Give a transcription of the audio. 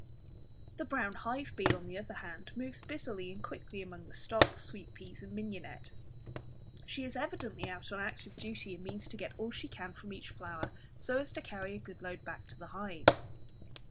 The brown hive bee on the other hand, moves busily and quickly among the stocks, sweet peas, and mignonette. She is evidently out on active duty, and means to get all she can from each flower, so as to carry a good load back to the hive.